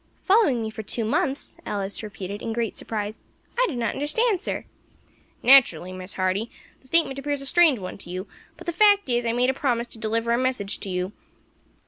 "Following me for two months!" Alice repeated, in great surprise. "I do not understand, sir." "Naturally, Miss Hardy, the statement appears a strange one to you; but the fact is I made a promise to deliver a message to you.